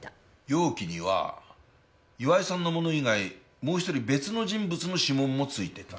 容器には岩井さんのもの以外にもう１人別の人物の指紋もついてた。